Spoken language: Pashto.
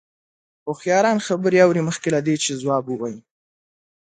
هوښیاران خبرې اوري مخکې له دې چې ځواب ووايي.